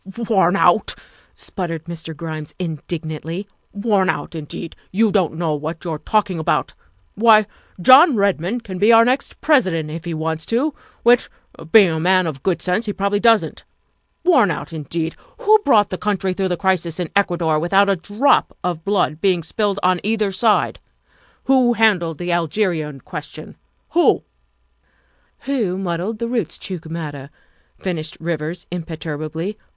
''" Worn out," spluttered Mr. Grimes indignantly, *' worn out, indeed ! You don 't know what you 're talk ing about. Why, John Redmond can be our next Presi dent if he wants to which, being a man of great good sense, he probably doesn't. Worn out, indeed! Who brought the country through the crisis in Ecuador with out a drop of blood being spilt on either side? Who handled the Algerian question? Who " Who muddled the Roostchook matter?" finished Rivers imperturbably.